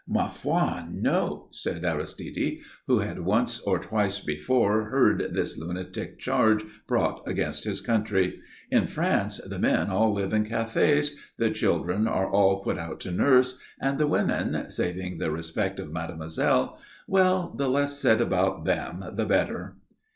"Ma foi, no," said Aristide, who had once or twice before heard this lunatic charge brought against his country. "In France the men all live in cafés, the children are all put out to nurse, and the women, saving the respect of mademoiselle well, the less said about them the better."